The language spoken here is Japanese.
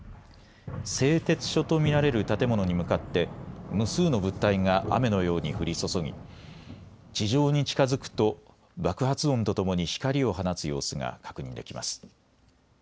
製鉄所と見られる建物に向かって無数の物体が雨のように降り注ぎ地上に近づくと爆発音とともに光りを放つ様子が確認できます。